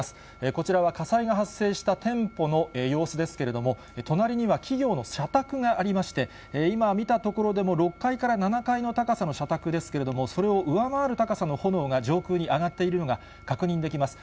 こちらは火災が発生した店舗の様子ですけれども、隣には企業の社宅がありまして、今、見たところでも、６階から７階の高さの社宅ですけれども、それを上回る高さの炎が上空に上がっているのが確認できます。